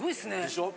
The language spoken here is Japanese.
でしょ？